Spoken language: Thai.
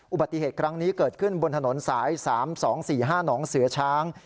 อุบัติเหตุครั้งนี้เกิดขึ้นบนถนนสาย๓๒๔๕หนองเสือช้าง